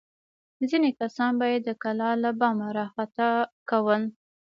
ځینې کسان به یې د کلا له بامه راخطا کول.